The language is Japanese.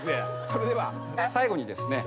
それでは最後にですね